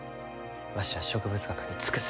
わしは植物学に尽くす。